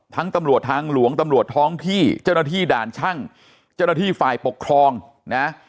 ตำรวจทางหลวงตำรวจท้องที่เจ้าหน้าที่ด่านช่างเจ้าหน้าที่ฝ่ายปกครองนะ